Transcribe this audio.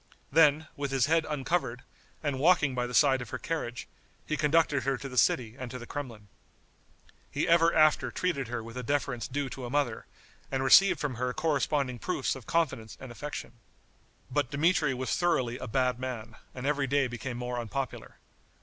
Then, with his head uncovered, and walking by the side of her carriage, he conducted her to the city and to the Kremlin. He ever after treated her with the deference due to a mother, and received from her corresponding proofs of confidence and affection. But Dmitri was thoroughly a bad man, and every day became more unpopular.